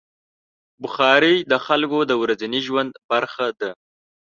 بخاري د خلکو د ورځني ژوند برخه ده.